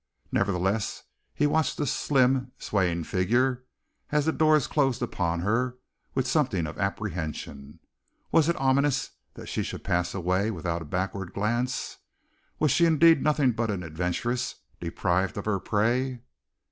Nevertheless, he watched the slim, swaying figure, as the doors closed upon her, with something of apprehension. Was it ominous that she should pass away without a backward glance? Was she indeed nothing but an adventuress, deprived of her prey?...